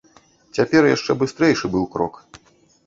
Цяпер яшчэ быстрэйшы быў крок.